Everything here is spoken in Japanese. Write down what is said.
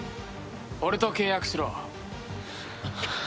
俺と契約しろ。